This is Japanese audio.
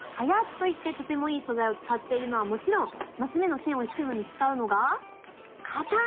「榧」といってとてもいい素材を使っているのはもちろんマス目の線を引くのに使うのが刀！